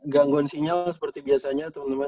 gangguan sinyal seperti biasanya temen temen